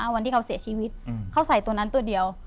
วันที่เขาเสียชีวิตเขาใส่ตัวนั้นตัวเดียว